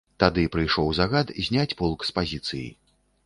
Тады прыйшоў загад зняць полк з пазіцыі.